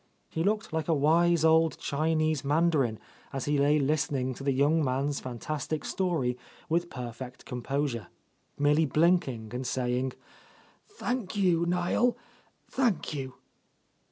He looked like a wise old ■—13?— A Lost Lady Chinese mandarin as he lay listening to the young man's fantastic story with perfect composure, merely blinking and saying, "Thank you, Niel, thank you."